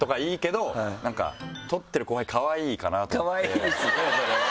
かわいいですねそれは。